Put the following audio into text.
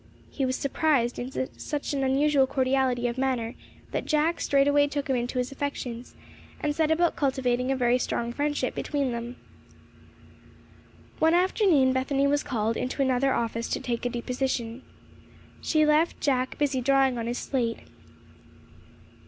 He was surprised into such an unusual cordiality of manner, that Jack straightway took him into his affections, and set about cultivating a very strong friendship between them. One afternoon Bethany was called into another office to take a deposition. She left Jack busy drawing on his slate.